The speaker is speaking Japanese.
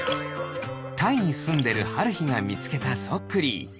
タイにすんでるはるひがみつけたそっクリー。